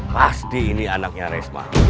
pasti ini anaknya resma